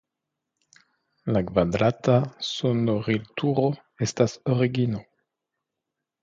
La kvadrata sonorilturo estas origino.